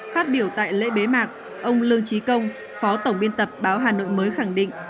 phát biểu tại lễ bế mạc ông lương trí công phó tổng biên tập báo hà nội mới khẳng định